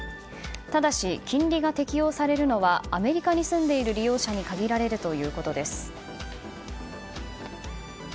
ただし、金利が適用されるのはアメリカに住んでいる利用者に限られるということです。